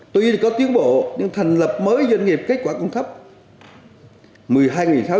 tuy có tiến bộ nhưng thành lập mới doanh nghiệp kết quả cũng thấp